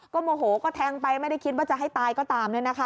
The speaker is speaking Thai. โมโหก็แทงไปไม่ได้คิดว่าจะให้ตายก็ตาม